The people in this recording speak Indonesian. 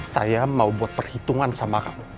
saya mau buat perhitungan sama kamu